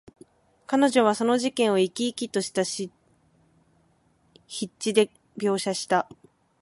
彼女はその事件を、生き生きとした筆致で描写した。